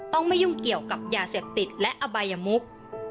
ต้องไม่ยุ่งเกี่ยวกับยาเสพติดและอบายมุก